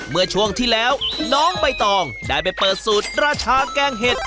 เมื่อช่วงที่แล้วน้องใบตองได้ไปเปิดสูตรราชาแกงเห็ด